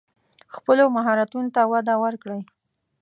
خپلو مهارتونو ته وده ورکړئ.